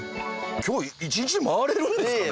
今日１日で回れるんですかね？